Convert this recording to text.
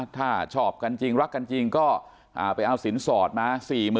ถ้าชอบกันจริงรักกันจริงก็ไปเอาสินสอดมา๔๐๐๐